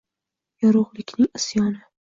Yorug’likning isyoni.